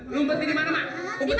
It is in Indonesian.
lu mbet di dimana emak